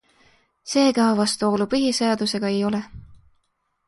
Seega, vastuolu põhiseadusega ei ole.